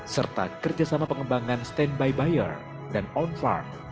serta kerjasama pengembangan stand by buyer dan on farm